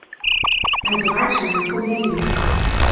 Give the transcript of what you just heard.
Uiteraard zijn er problemen.